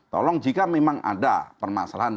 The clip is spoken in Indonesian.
tolong jika memang ada permasalahan